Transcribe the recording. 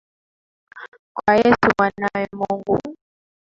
Kwa Yesu Mwanawe Mungu.